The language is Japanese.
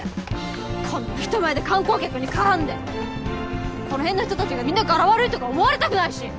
こんな人前で観光客に絡んでこの辺の人たちがみんな柄悪いとか思われたくないし。